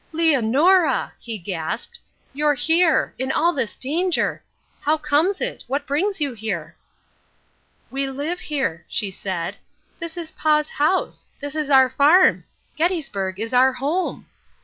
"Leonora!" he gasped. "You here! In all this danger! How comes it? What brings you here?" "We live here," she said. "This is Pa's house. This is our farm. Gettysburg is our home.